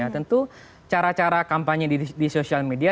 tentu cara cara kampanye di sosial media